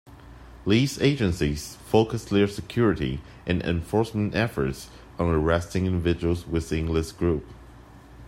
These agencies focus their security and enforcement efforts on arresting individuals within this group.